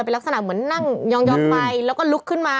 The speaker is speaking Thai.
เป็นลักษณะเหมือนนั่งยองไปแล้วก็ลุกขึ้นมา